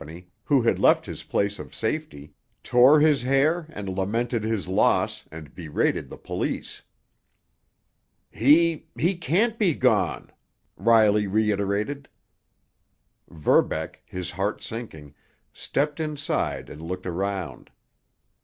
who had left his place of safety, tore his hair and lamented his loss and berated the police. "He—he can't be gone!" Riley reiterated. Verbeck, his heart sinking, stepped inside and looked around.